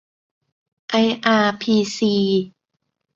ไออาร์พีซี